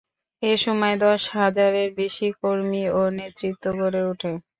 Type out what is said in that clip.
এ সময়ে দশ হাজারের বেশি কর্মী ও নেতৃত্ব গড়ে ওঠে।